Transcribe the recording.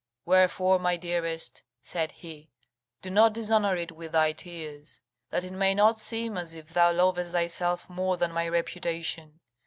"Wherefore, my dearest," said he, "do not dishonour it with thy tears, that it may not seem as if thou lovest thyself more than my reputation.